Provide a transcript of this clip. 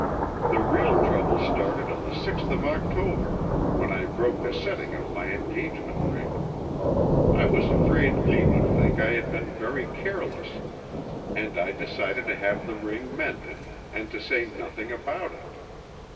"The real trouble started on the sixth of October when I broke the setting of my engagement ring. I was afraid Lee would think I had been very careless, and I decided to have the ring mended and to say nothing about it.